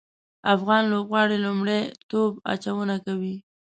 افغان لوبغاړي لومړی توپ اچونه کوي